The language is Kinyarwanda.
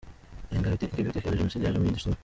Ingengabitekerezo ya Jenoside yaje mu yindi sura.